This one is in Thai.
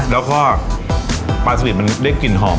แล้วก็ปลาสลิดมันได้กลิ่นหอม